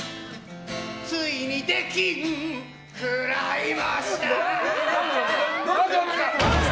ついに出禁くらいました。